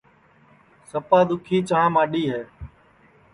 سپا دُؔکھی چاں ماڈؔی ہے